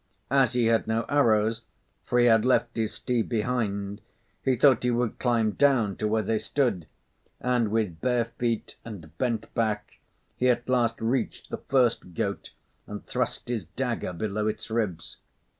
As he had no arrows (for he had left his steed behind), he thought he would climb down to where they stood; and with bare feet and bent back he at last reached the first goat and thrust his dagger below its ribs.